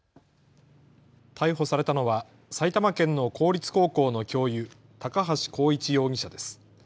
逮捕されたのは埼玉県の公立高校の教諭、高橋幸一容疑者です。